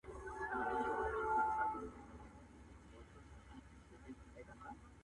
چي فلک به کوږ ورګوري دښمن زما دی،